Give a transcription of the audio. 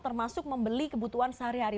termasuk membeli kebutuhan sehari hari